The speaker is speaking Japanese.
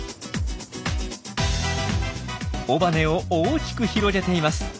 尾羽を大きく広げています。